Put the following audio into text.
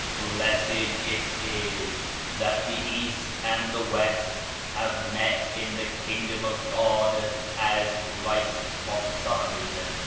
Blessed it is that the East and the West have met in the Kingdom of God as Christ prophesied."